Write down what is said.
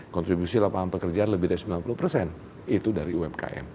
kontribusi lapangan pekerjaan lebih dari sembilan puluh persen itu dari umkm